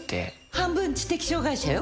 半分知的障がい者よ。